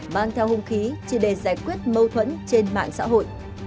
mang theo hung khí chỉ để giải quyết mâu thuẫn trên mạng xã hội